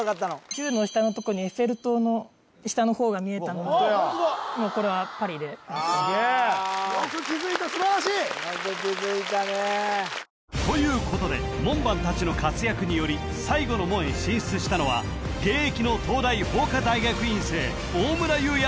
１０の下のとこにエッフェル塔の下の方が見えたのでもうこれはパリで・すげえよく気づいた素晴らしいよく気づいたねということで門番達の活躍により最後の門へ進出したのは現役の東大法科大学院生大村優也